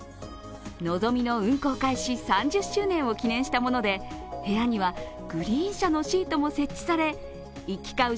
「のぞみ」の運行開始３０周年を記念したもので部屋にはグリーン車のシートも設置され行き交う